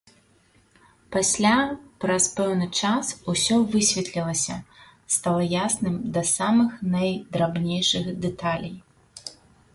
Пасля, праз пэўны час, усё высветлілася, стала ясным да самых найдрабнейшых дэталей.